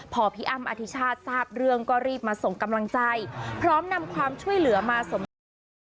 พอพี่อ้ำอธิชาติทราบเรื่องก็รีบมาส่งกำลังใจพร้อมนำความช่วยเหลือมาสมทบค่ะ